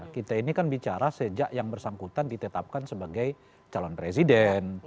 kita ini kan bicara sejak yang bersangkutan ditetapkan sebagai calon presiden